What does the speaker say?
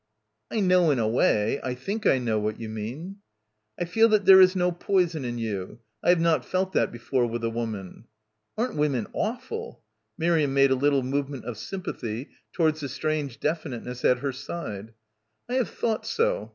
"I know in a way. I think I know what you mean." "I feel that there is no poison in you. I have not felt that before with a woman." "Aren't women awful?" Miriam made a little movement of sympathy towards the strange definiteness at her side. "I have thought so.